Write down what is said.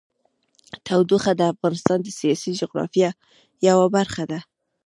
تودوخه د افغانستان د سیاسي جغرافیه یوه برخه ده.